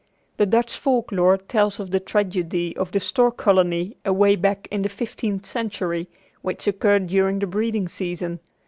The Dutch folk lore tells of the tragedy of the stork colony away back in the fifteenth century which occurred during the breeding season.